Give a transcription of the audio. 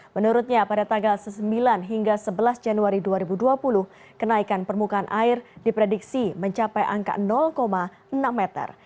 menurutnya pada tanggal sembilan hingga sebelas januari dua ribu dua puluh kenaikan permukaan air diprediksi mencapai angka enam meter